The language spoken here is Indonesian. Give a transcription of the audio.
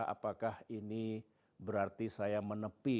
apakah ini berarti saya menepi